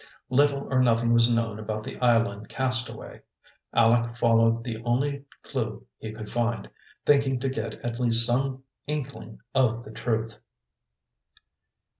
Little or nothing was known about the island castaway. Aleck followed the only clue he could find, thinking to get at least some inkling of the truth.